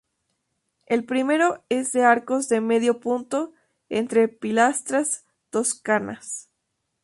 El primero es de arcos de medio punto entre pilastras toscanas.